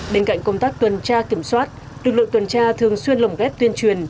bên cạnh công tác tuần tra kiểm soát lực lượng tuần tra thường xuyên lồng ghép tuyên truyền